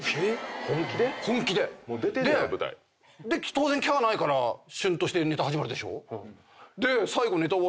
当然「キャー」ないからしゅんとしてネタ始まるでしょ。